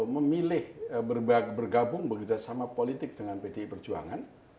memilih bergabung bekerja sama politik dengan pdi perjuangan